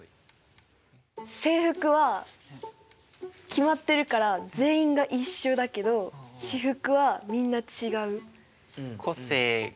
制服は決まってるから全員が一緒だけど私服はみんな違う。